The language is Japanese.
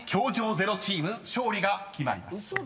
０チーム勝利が決まります］